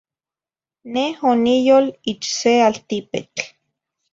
Neh oniyol ich se altipetl.